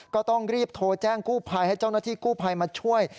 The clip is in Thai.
ก็ต้องรีบโทรแจ้งกู้ภัยให้เจ้าหน้าที่กู้ภัยมาช่วย